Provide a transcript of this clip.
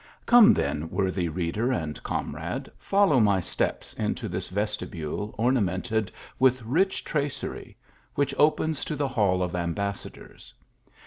Come, then, worthy reader and comrade, follow my steps into this vestibule ornamented with rich tracery, which opens to the hall of Ambassadors.